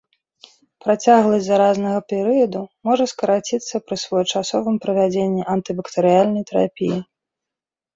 Працягласць заразнага перыяду можа скараціцца пры своечасовым правядзенні антыбактэрыяльнай тэрапіі.